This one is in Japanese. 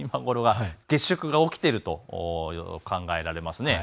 月食が起きていることが考えられます。